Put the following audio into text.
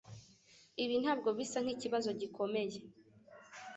Ibi ntabwo bisa nkikibazo gikomeye.